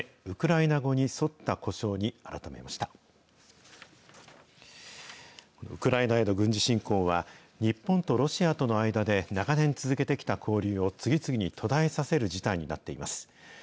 ウクライナへの軍事侵攻は、日本とロシアとの間で長年続けてきた交流を次々に途絶えさせる事態になっています。